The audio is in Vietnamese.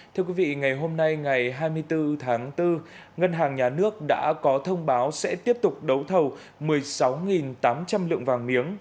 thưa quý vị ngày hôm nay ngày hai mươi bốn tháng bốn ngân hàng nhà nước đã có thông báo sẽ tiếp tục đấu thầu một mươi sáu tám trăm linh lượng vàng miếng